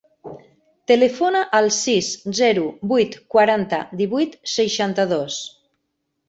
Telefona al sis, zero, vuit, quaranta, divuit, seixanta-dos.